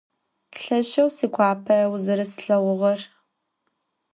Lheşşeu siguape vuzereslheğuğer.